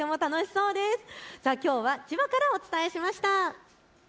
きょうは千葉からお伝えしました。